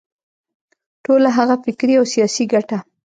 ټوله هغه فکري او سیاسي ګټه.